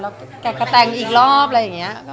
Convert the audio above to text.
แล้วกลับมาแต่งอีกรอบอะไรอย่างนี้